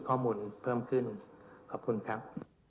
ข้อมูลเพิ่มขึ้นขอบคุณครับ